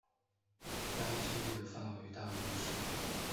该区域的范围大约是。